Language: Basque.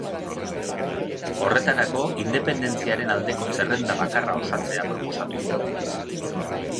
Horretarako independentziaren aldeko zerrenda bakarra osatzea proposatu du.